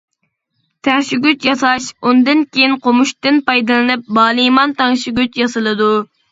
تەڭشىگۈچ ياساش ئۇندىن كېيىن قومۇشتىن پايدىلىنىپ بالىمان تەڭشىگۈچ ياسىلىدۇ.